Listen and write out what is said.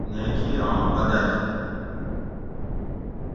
نیکی آں بدٞل